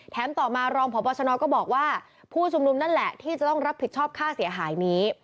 ต่อมารองพบชนก็บอกว่าผู้ชุมนุมนั่นแหละที่จะต้องรับผิดชอบค่าเสียหายนี้